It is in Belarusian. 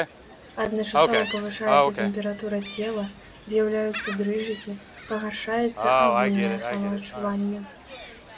Адначасова павышаецца тэмпература цела, з'яўляюцца дрыжыкі, пагаршаецца агульнае самаадчуванне.